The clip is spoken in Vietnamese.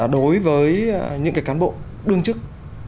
đối với những cái cán bộ đương chức